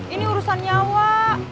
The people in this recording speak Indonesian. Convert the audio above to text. ini urusan nyawa